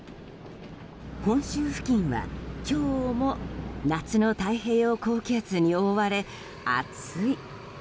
本州付近は今日も夏の太平洋高気圧に覆われ暑い。